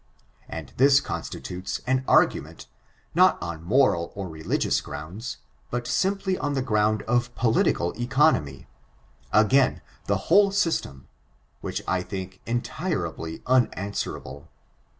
And this constitutes an argument, not on moral or religious grounds, but simply on the ground of political economy, against the whole system ; which I think entirely unanswerable.